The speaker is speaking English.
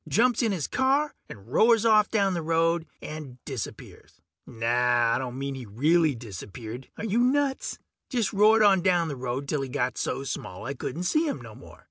Jumps in his car and roars off down the road and disappears. Naw, I don't mean he really disappeared are you nuts? Just roared on down the road till he got so small I couldn't see him no more.